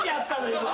今。